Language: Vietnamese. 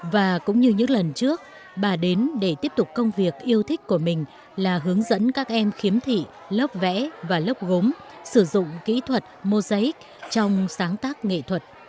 và cũng như những lần trước bà đến để tiếp tục công việc yêu thích của mình là hướng dẫn các em khiếm thị lốc vẽ và lốc gốm sử dụng kỹ thuật mô giấy trong sáng tác nghệ thuật